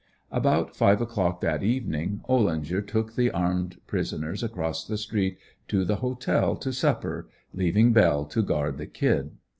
About five o'clock, that evening, Ollinger took the armed prisoners across the street, to the hotel, to supper, leaving Bell to guard the "Kid."